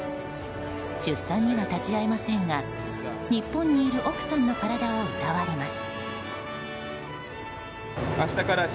出産には立ち会えませんが日本にいる奥さんの体をいたわります。